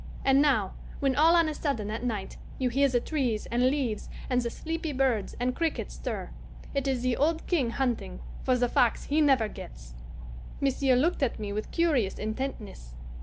And now, when all on a sudden at night you hear the trees and leaves and the sleepy birds and crickets stir, it is the old King hunting for the fox he never gets." Monsieur looked at me with curious intentness.